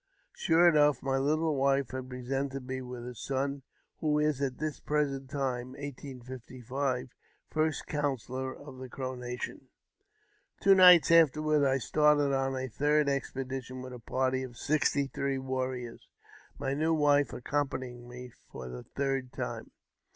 Sure enough, my little wife had presented me with a son, who is at this present time (1855) first counsellor of the Crow nation. Two nights afterward, I started on a third expedition with a party of sixty three warriors, my new wife accompanying me for the third time.